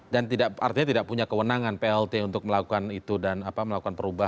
dan artinya tidak punya kewenangan plt untuk melakukan itu dan melakukan perubahan